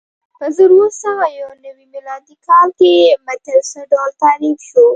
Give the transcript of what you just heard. په زر اووه سوه یو نوې میلادي کال کې متر څه ډول تعریف شو؟